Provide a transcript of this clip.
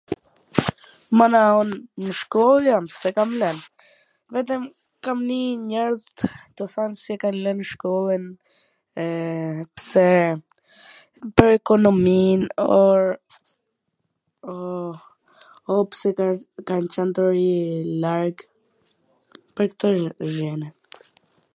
Mana un nw shkoll jam. s e kam lwn, vetwm kam nii njerzt qw thon se kan lwn shkollwn e pse pwr ekonomin, o pse kan qwn tu rri larg, pwr twr gjwnat.